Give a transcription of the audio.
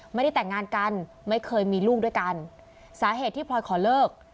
ไม่ได้แต่งงานกันไม่เคยมีลูกด้วยกันสาเหตุที่พลอยขอเลิก